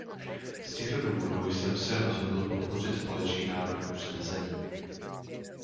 Z těchto důvodů jsem se rozhodl podpořit společný návrh usnesení.